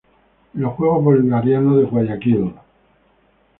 En los Juegos Bolivarianos de Guayaquil.